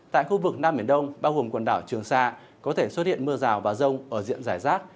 tại khu vực nam biển đông bao gồm quần đảo trường sa có thể xuất hiện mưa rào và rông ở diện giải rác